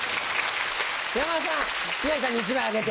山田さん宮治さんに１枚あげて。